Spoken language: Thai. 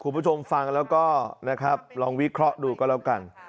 คุณผู้ชมฟังแล้วก็นะครับลองวิเคราะห์ดูก็แล้วกัน